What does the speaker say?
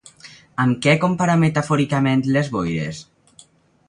Amb què compara metafòricament les boires?